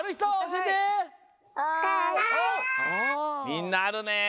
みんなあるねえ。